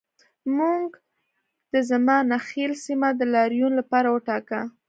موږ د زمانخیل سیمه د لاریون لپاره وټاکه